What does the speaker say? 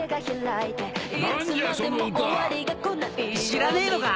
知らねえのか？